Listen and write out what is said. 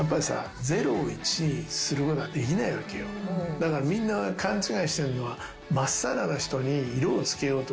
だからみんな勘違いしてんのは。